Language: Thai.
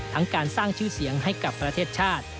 ทั้งการสร้างชื่อเสียงให้กับประเทศชาติ